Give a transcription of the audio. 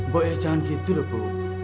bu ya jangan gitu loh bu